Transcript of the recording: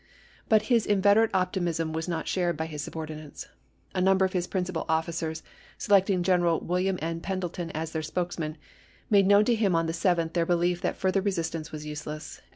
p *55 But his inveterate optimism was not shared by his subordinates. A number of his principal officers, selecting General William N. Pendleton as their spokesman, made known to him on the 7th their belief that further resistance was useless, and 190 ABRAHAM LINCOLN Chap.